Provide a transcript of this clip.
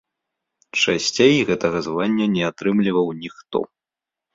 Часцей гэтага звання не атрымліваў ніхто.